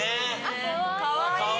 かわいい！